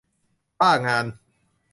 บ้างาน ?